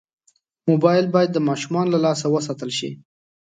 موبایل باید د ماشومانو له لاسه وساتل شي.